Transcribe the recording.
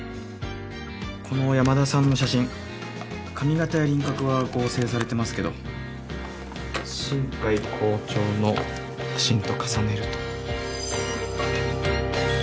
この山田さんの写真髪形や輪郭は合成されてますけど新偕校長の写真と重ねると。